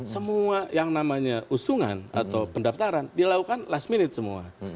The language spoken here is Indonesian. semua yang namanya usungan atau pendaftaran dilakukan last minute semua